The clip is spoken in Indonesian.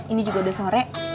ini juga udah sore